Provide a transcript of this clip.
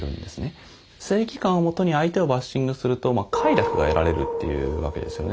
正義感をもとに相手をバッシングすると快楽が得られるっていうわけですよね。